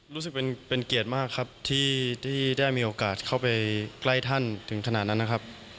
รู้สึกเป็นเกียรติมากครับที่ได้มีโอกาสเข้าไปใกล้ท่านถึงขนาดนั้นนะครับ